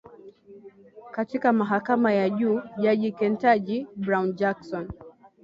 katika mahakama ya juu jaji Ketanji Brown Jackson